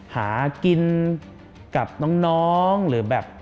หากินกับน้องหรือแบบ